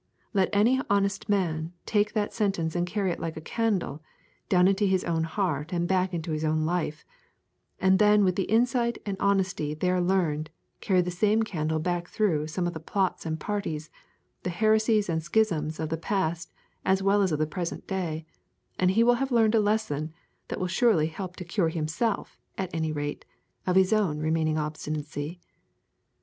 Let any honest man take that sentence and carry it like a candle down into his own heart and back into his own life, and then with the insight and honesty there learned carry the same candle back through some of the plots and parties, the heresies and schisms of the past as well as of the present day, and he will have learned a lesson that will surely help to cure himself, at any rate, of his own remaining obstinacy.